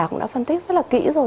cũng đã phân tích rất là kỹ rồi